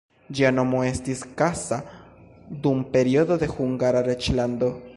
Ĝia nomo estis Kassa dum periodo de Hungara reĝlando.